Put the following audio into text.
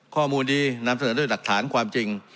ข้อมูลนี้นำเสนอด้วยหลักฐานความจริง